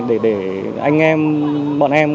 để anh em bọn em